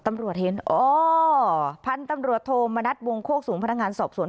ตำรวจเห็นอ๋อพันธุ์ตำรวจโทมณัฐวงโคกสูงพนักงานสอบสวน